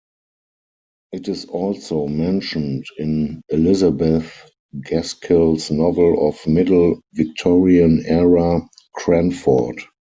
It is also mentioned in Elizabeth Gaskell's novel of middle Victorian era, "Cranford".